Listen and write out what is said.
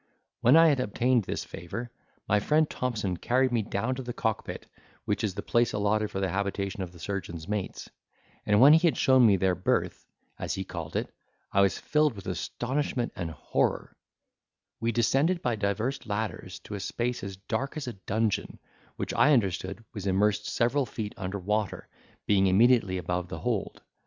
When I had obtained this favour, my friend Thompson carried me down to the cockpit, which is the place allotted for the habitation of the surgeon's mates; and when he had shown me their berth (as he called it), I was filled with astonishment and horror, We descended by divers ladders to a space as dark as a dungeon, which, I understood, was immersed several feet under water, being immediately above the hold.